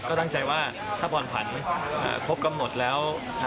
ก็ตั้งใจว่าถ้าบอลผันครบกำหนดแล้ว